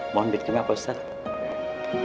mohon berikan ke emak pak ustadz